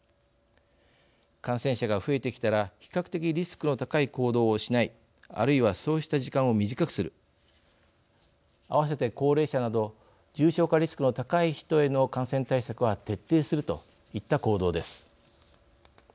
感染者が、増えてきたら比較的リスクの高い行動をしないあるいはそうした時間を短くする併せて、高齢者など重症化リスクの高い人への感染対策は徹底するといった行動です。